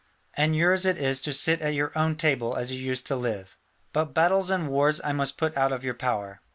And yours it is to sit at your own table as you used to live. But battles and wars I must put out of your power."